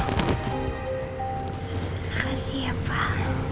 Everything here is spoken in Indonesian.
makasih ya pak